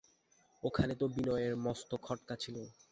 ঐখানেই তো বিনয়ের মস্ত খটকা ছিল।